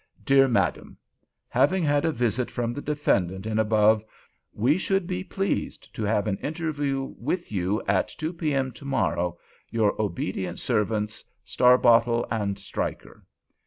DEAR MADAM,—Having had a visit from the defendant in above, we should be pleased to have an interview with you at 2 P.M. to morrow. Your obedient servants, STARBOTTLE AND STRYKER.